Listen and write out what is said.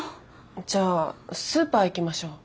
じゃあスーパー行きましょう。